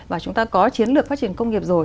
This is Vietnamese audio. và chúng ta có chiến lược phát triển công nghiệp rồi